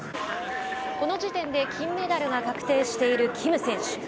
この時点で金メダルが確定しているキム選手。